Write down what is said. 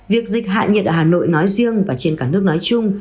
việc dịch hạ nhiệt ở hà nội nói riêng và trên cả nước nói chung